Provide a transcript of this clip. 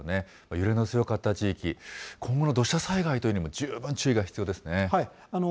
揺れの強かった地域、今後の土砂災害というのにも十分注意が必要ですね。